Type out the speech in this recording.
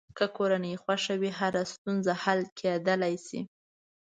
که کورنۍ خوښه وي، هره ستونزه حل کېدلی شي.